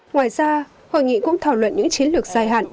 ngoài ra hội nghị cũng thảo luận những chiến lược dài hạn